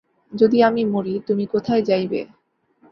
যদি আমি মরি তুমি কোথায় যাইবে?